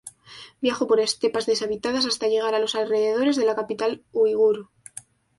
Viajó por estepas deshabitadas hasta llegar a los alrededores de la capital uigur.